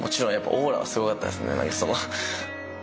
オーラはすごかったですね。